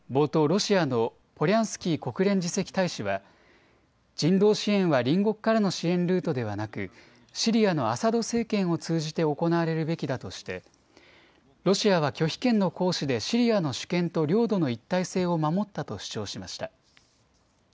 ロシアのポリャンスキー国連次席大使は人道支援は隣国からの支援ルートではなくシリアのアサド政権を通じて行われるべきだとしてロシアが拒否権の行使でシリアの主権と領土の一体性を守ったと主張しました。